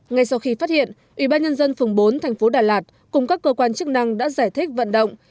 ngay sau khi phát hiện ủy ban nhân dân phường bốn thành phố đà lạt cùng các cơ quan chức năng đã giải thích vận động